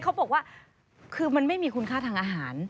เขาบอกว่าคือมันไม่มีคุณค่าทางอาหาร